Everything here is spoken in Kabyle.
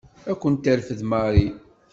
Ad ken-terfed Mary.